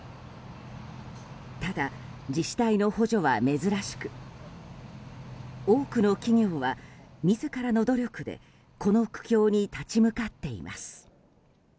ただ、自治体の補助は珍しく多くの企業は自らの努力でこの苦境に立ち向かっています。